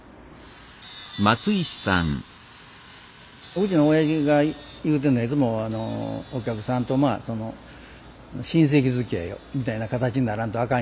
うちの親父が言うてんのはいつも「お客さんと親戚づきあいみたいな形にならんとあかん」